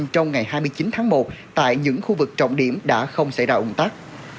trong ngày hai mươi chín tháng một tại những khu vực trọng điểm đã không xảy ra ủng tắc